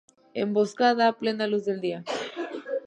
Emboscada a plena luz del día.